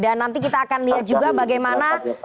dan nanti kita akan lihat juga bagaimana